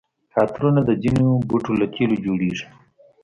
عطرونه د ځینو بوټو له تېلو جوړیږي.